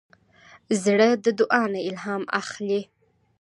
زړه د دعا نه الهام اخلي.